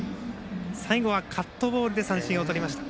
最後はカットボールで三振をとりました。